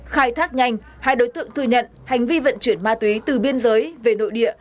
khai thác nhanh hai đối tượng thừa nhận hành vi vận chuyển ma túy từ biên giới về nội địa